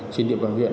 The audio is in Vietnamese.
trên địa phòng huyện